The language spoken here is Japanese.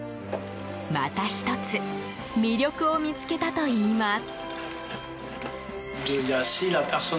また１つ魅力を見つけたといいます。